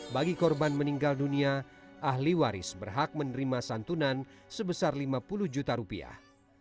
bagi korban meninggal dunia ahli waris berhak menerima santunan sebesar lima puluh juta rupiah